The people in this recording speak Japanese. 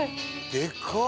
でかっ！